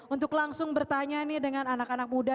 untuk langsung bertanya nih dengan anak anak muda